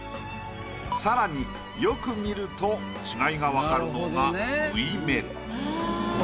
更によく見ると違いが分かるのが縫い目。